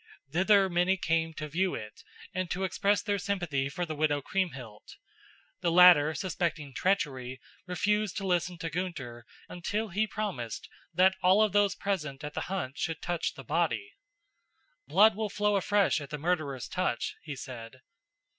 Thither many came to view it and to express their sympathy for the widow Kriemhild. The latter, suspecting treachery, refused to listen to Gunther until he promised that all of those present at the hunt should touch the body. "Blood will flow afresh at the murderer's touch," he said.